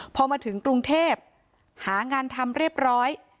พอมาถึงกรุงเทพหางานทำเรียบร้อย